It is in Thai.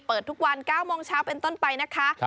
เปิดทุกวัน๙โมงเช้าเป็นต้นไปนะคะ